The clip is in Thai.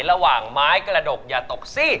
ระหว่างไม้กระดกอย่าตกซีด